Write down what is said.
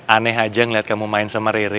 aneh aja ngeliat kamu main sama riri